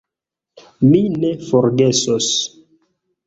Mi ne forgesos.